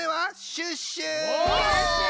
シュッシュ！